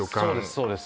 そうです